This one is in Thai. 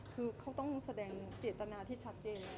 คือเขาต้องแสดงจิตนาที่ชัดเจนแล้วนะครับ